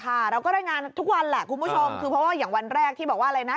เราก็รายงานทุกวันแหละคุณผู้ชมคือเพราะว่าอย่างวันแรกที่บอกว่าอะไรนะ